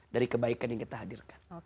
dari kebaikan yang kita hadirkan